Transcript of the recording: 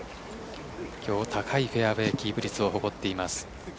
今日高いフェアウェイキープ率を誇っています。